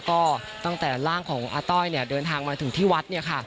ก็ตั้งแต่ร่างของอาต้อยเนี่ยเดินทางมาถึงที่วัดเนี่ยค่ะ